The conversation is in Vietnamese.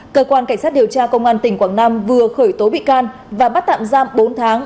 cơ quan cảnh sát điều tra công an tỉnh quảng nam vừa khởi tố bị can và bắt tạm giam bốn tháng